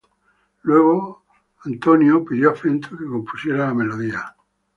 Luego Iwao pidió a Fenton que compusiera la melodía.